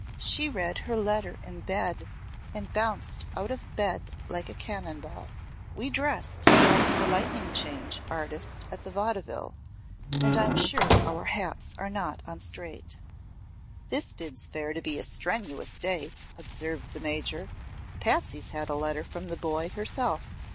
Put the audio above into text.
"She read her letter in bed and bounced out of bed like a cannon ball. We dressed like the 'lightning change' artist at the vaudeville, and I'm sure our hats are not on straight." "This bids fair to be a strenuous day," observed the Major. "Patsy's had a letter from the boy, herself."